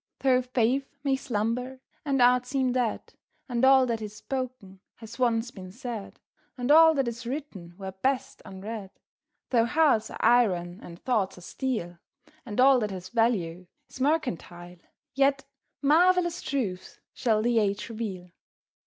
Though faith may slumber and art seem dead, And all that is spoken has once been said, And all that is written were best unread; Though hearts are iron and thoughts are steel, And all that has value is mercantile, Yet marvellous truths shall the age reveal.